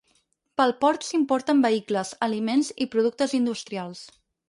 Pel port s'importen vehicles, aliments, i productes industrials.